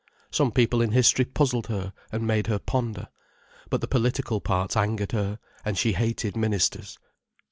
Some people in history puzzled her and made her ponder, but the political parts angered her, and she hated ministers.